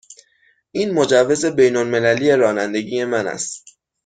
این مجوز بین المللی رانندگی من است.